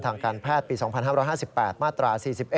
ทางการแพทย์ปี๒๕๕๘มาตรา๔๑